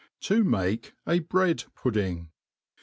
To make a Bread Pudding.